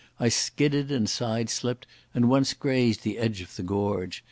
I skidded and side slipped, and once grazed the edge of the gorge.